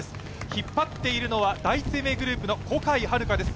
引っ張っているのは第一生命グループの小海遥です。